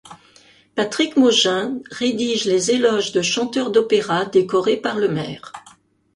Patrick Maugein rédige les éloges de chanteurs d'opéra décorés par le maire.